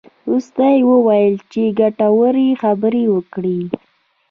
وروسته یې وویل چې ګټورې خبرې وکړې.